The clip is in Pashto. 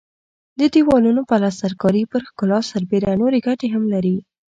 د دېوالونو پلستر کاري پر ښکلا سربېره نورې ګټې هم لري.